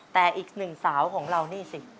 แต่อีกหนึ่งสาวของเรานี่สิ